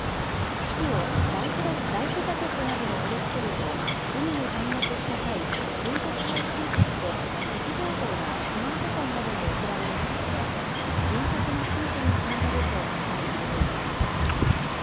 機器をライフジャケットなどに取り付けると、海に転落した際、水没を感知して、位置情報がスマートフォンなどに送られる仕組みで、迅速な救助につながると期待されています。